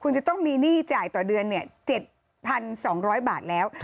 คุณจะต้องมีหนี้จ่ายต่อเดือน๗๒๐๐บาทแล้ว